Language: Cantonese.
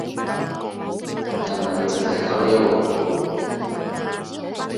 但佢真係搞到一鑊泡